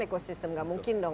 dalam sisi muda menggunakan